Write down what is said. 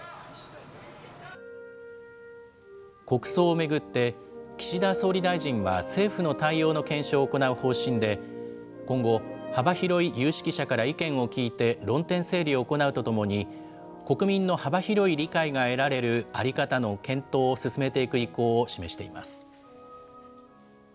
国葬を巡って、岸田総理大臣は政府の対応の検証を行う方針で、今後、幅広い有識者から意見を聴いて、論点整理を行うとともに、国民の幅広い理解が得られる在り方の検討を進めていく意向を示しています。